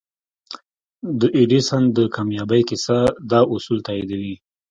د ايډېسن د کاميابۍ کيسه دا اصول تاييدوي.